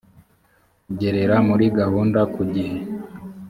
kugerera muri gahunda ku gihe